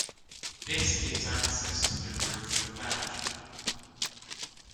This gives access to the roof for thatching.